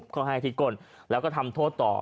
เขาให้ที่ก้นแล้วก็ทำโทษต่อ